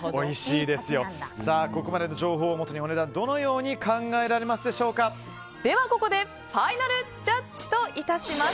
ここまでの情報をもとにお値段、どのようにではここでファイナルジャッジといたします。